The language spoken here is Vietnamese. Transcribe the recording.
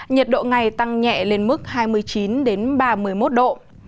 nhiệt độ ngày tăng nhẹ lên mức hai mươi chín ba mươi một độ